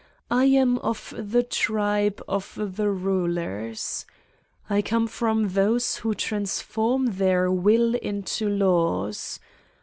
I am of the tribe of the rulers. I come from those who transform their will into laws.